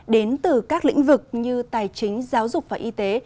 đến từ các lĩnh vực như tài chính giáo dục và y tế